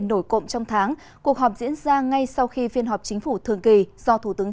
nổi cộng trong tháng cuộc họp diễn ra ngay sau khi phiên họp chính phủ thường kỳ do thủ tướng